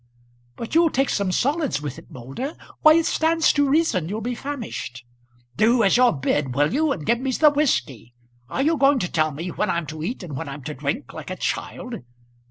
"But you'll take some solids with it, Moulder? Why it stands to reason you'll be famished." "Do as you're bid, will you, and give me the whisky. Are you going to tell me when I'm to eat and when I'm to drink, like a child?"